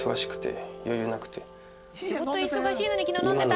仕事忙しいのに昨日飲んでた！